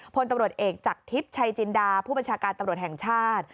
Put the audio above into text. พลตำรวจเอกจากทิพย์ชัยจินดาผู้บัญชาการตำรวจแห่งชาติ